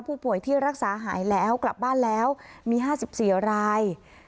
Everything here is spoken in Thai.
ผู้ป่วยที่รักษาหายแล้วกลับบ้านแล้วมีห้าสิบเสียราย